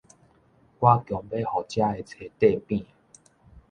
我強欲予遮的冊硩扁矣！